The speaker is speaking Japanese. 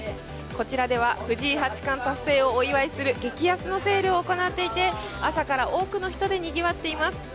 こちらでは藤井八冠達成をお祝いする激安のセールを行っていて朝から多くの人でにぎわっています。